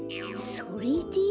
それで？